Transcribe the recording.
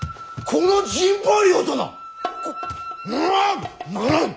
こならん！